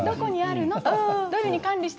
どこにあるの？